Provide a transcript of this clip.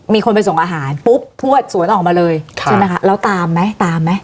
มีคนไปส่งอาหารปุ๊บทวดสวนออกมาเลยใช่ไหมคะแล้วตามไหมตามไหม